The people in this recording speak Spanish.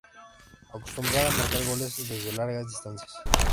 Acostumbraba a marcar goles desde largas distancias.